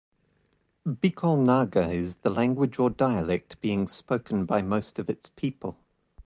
Bicol Naga is the language or dialect being spoken by most of its people.